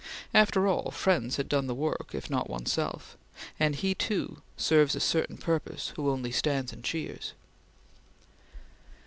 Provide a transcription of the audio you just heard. After all, friends had done the work, if not one's self, and he too serves a certain purpose who only stands and cheers.